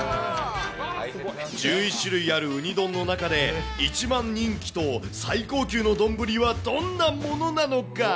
１１種類あるウニ丼の中で、一番人気と最高級の丼はどんなものなのか。